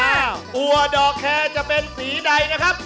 อัวดอกแคร์จะเป็นสีใดนะครับ